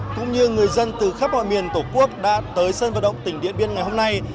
cũng như người dân từ khắp mọi miền tổ quốc đã tới sân vận động tỉnh điện biên ngày hôm nay